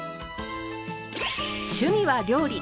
趣味は料理。